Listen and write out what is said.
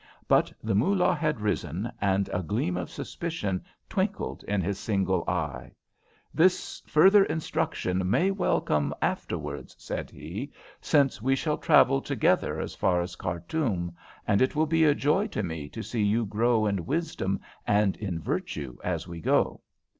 But the Moolah had risen, and a gleam of suspicion twinkled in his single eye. "This further instruction may well come afterwards," said he, "since we shall travel together as far as Khartoum, and it will be a joy to me to see you grow in wisdom and in virtue as we go."